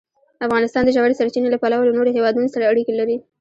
افغانستان د ژورې سرچینې له پلوه له نورو هېوادونو سره اړیکې لري.